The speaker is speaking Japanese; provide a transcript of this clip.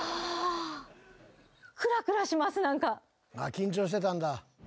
緊張してたんだ。